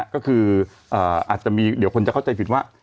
ก็คืออาจจะมีเดี๋ยวคนจะเข้าใจผิดว่า